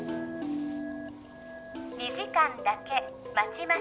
２時間だけ待ちます